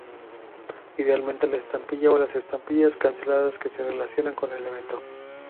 Idealmente la estampilla o las estampillas canceladas que se relacionan con el evento.